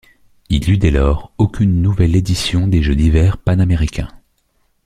Il n'y eut dès lors, aucune nouvelle édition des Jeux d'hiver panaméricains.